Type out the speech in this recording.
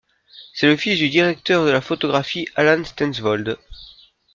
C'est le fils du directeur de la photographie Alan Stensvold.